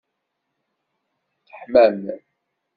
Teḥmam!